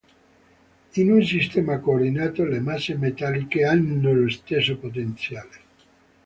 In un sistema coordinato le masse metalliche hanno lo stesso potenziale.